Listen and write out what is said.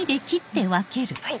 はい。